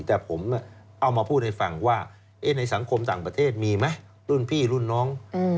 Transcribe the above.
แต่ผมเอามาพูดให้ฟังว่าในสังคมต่างประเทศมีไหมรุ่นพี่รุ่นน้อง